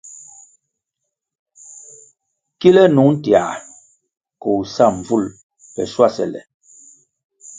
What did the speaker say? Kile nung tiãh koh sa mbvul le schuasele.